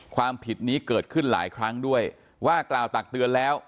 ความผิดนี้เกิดขึ้นหลายครั้งด้วยว่ากล่าวตักเตือนแล้ว